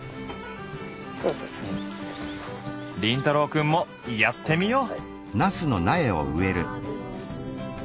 凛太郎くんもやってみよう！